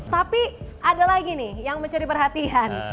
tapi ada lagi nih yang mencuri perhatian